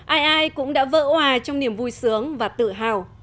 ai ai cũng đã vỡ hòa trong niềm vui sướng và tự hào